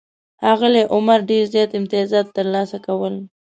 ښاغلي عمر ډېر زیات امتیازات ترلاسه کول.